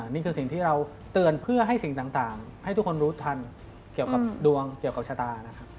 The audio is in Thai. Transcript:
นี่คือสิ่งที่เราเตือนเพื่อให้สิ่งต่างให้ทุกคนรู้ทันเกี่ยวกับดวงเกี่ยวกับชะตานะครับ